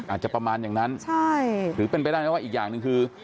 อาจจะประมาณอย่างนั้นใช่หรือเป็นไปได้ไหมว่าอีกอย่างหนึ่งคือ